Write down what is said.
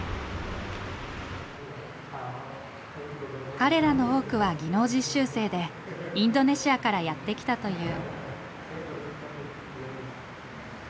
彼らの多くは技能実習生でインドネシアからやって来たという。